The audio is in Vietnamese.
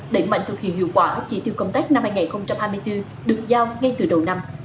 đẩy mạnh thực hiện hiệu quả chỉ tiêu công tác năm hai nghìn hai mươi bốn được giao ngay từ đầu năm